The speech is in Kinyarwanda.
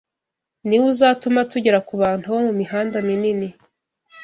Ni wo uzatuma tugera ku bantu bo mu mihanda minini